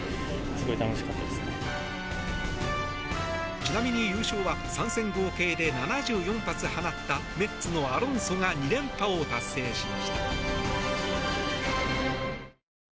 ちなみに優勝は３戦合計で７４発放ったメッツのアロンソが２連覇を達成しました。